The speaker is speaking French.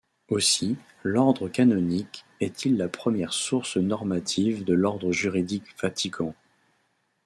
Aussi, l'ordre canonique est-il la première source normative de l'ordre juridique vatican.